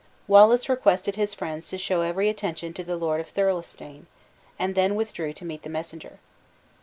Wallace requested his friends to show every attention to the Lord of Thirlestane, and then withdrew to meet the messenger.